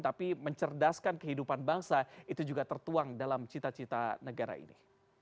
tapi mencerdaskan kehidupan bangsa itu juga tertuang dalam cita cita negara ini